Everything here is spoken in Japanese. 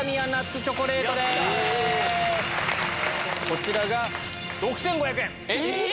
こちらが６５００円！